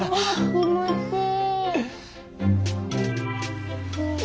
気持ちいい。